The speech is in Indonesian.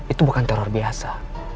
itu bukan teror biasa